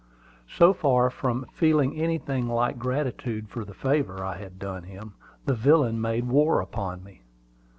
So far from feeling anything like gratitude for the favor I had done him, the villain made war upon me.